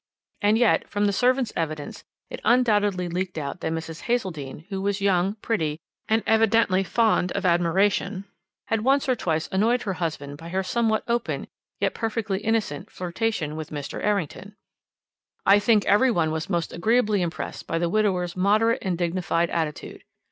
"And yet, from the servant's evidence, it undoubtedly leaked out that Mrs. Hazeldene, who was young, pretty, and evidently fond of admiration, had once or twice annoyed her husband by her somewhat open, yet perfectly innocent, flirtation with Mr. Errington. "I think every one was most agreeably impressed by the widower's moderate and dignified attitude.